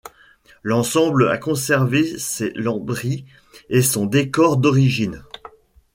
L'ensemble a conservé ses lambris et son décor d'origine.